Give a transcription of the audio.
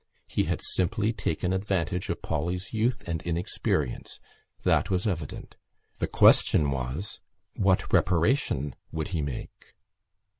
He had simply taken advantage of Polly's youth and inexperience: that was evident. The question was: What reparation would he make?